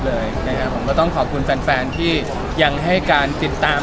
เลยนะครับผมก็ต้องขอบคุณแฟนแฟนที่ยังให้การติดตาม